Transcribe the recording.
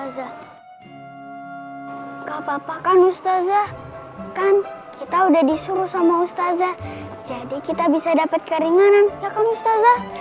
gak apa apa kan ustazah kan kita udah disuruh sama ustazah jadi kita bisa dapat keringanan ya kamu mustazah